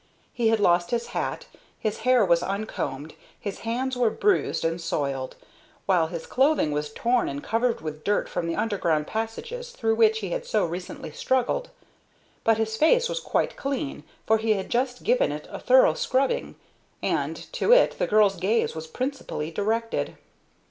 He had lost his hat, his hair was uncombed, his hands were bruised and soiled, while his clothing was torn and covered with dirt from the underground passages through which he had so recently struggled. But his face was quite clean, for he had just given it a thorough scrubbing, and to it the girl's gaze was principally directed.